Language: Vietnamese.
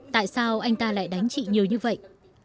tại sao anh ta lại đánh chị nhiều như vậy